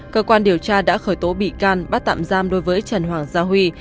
cơ quan điều tra đã khởi tố bị can bắt tạm giam đối với trần hoàng gia huy